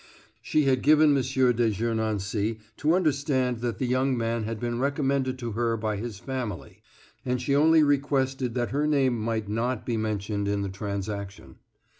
She had given M. de Gernancé to understand that the young man had been recommended to her by his family, and she only requested that her name might not be mentioned in the transaction.